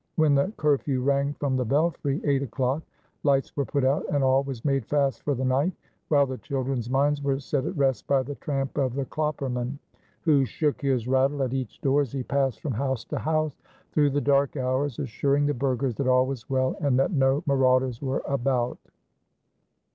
When the curfew rang from the belfry "eight o'clock," lights were put out and all was made fast for the night, while the children's minds were set at rest by the tramp of the klopperman, who shook his rattle at each door as he passed from house to house through the dark hours, assuring the burghers that all was well and that no marauders were about.